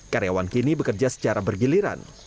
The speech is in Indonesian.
karyawan kini bekerja secara bergiliran